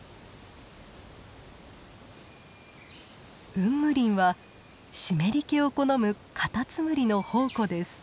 雲霧林は湿り気を好むカタツムリの宝庫です。